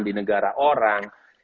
di negara orang